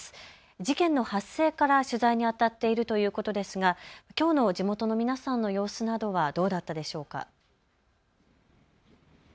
事件の発生から取材にあたっているということですがきょうの地元の皆さんの様子などはどうだったでしょうか。